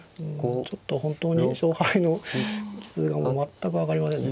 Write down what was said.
ちょっと本当に勝敗の帰趨がもう全く分かりませんね。